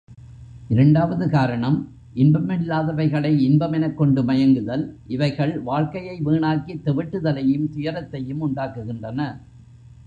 இரண்டாவது காரணம் இன்பமில்லாதவைகளை இன்பம் எனக்கொண்டு மயங்குதல், இவைகள் வாழ்க்கையை வீணாக்கித் தெவிட்டுதலையும் துயரத்தையும் உண்டாக்குகின்றன.